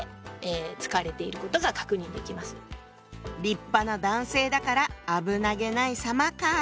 「立派な男性」だから「危なげないさま」か。